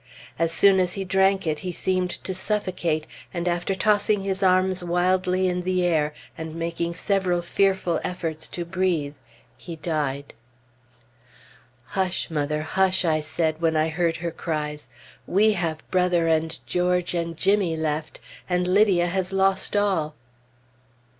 As soon as he drank it he seemed to suffocate; and after tossing his arms wildly in the air, and making several fearful efforts to breathe, he died. "Hush, mother, hush," I said when I heard her cries. "We have Brother and George and Jimmy left, and Lydia has lost all!"